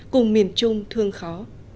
cùng miền trung thương khó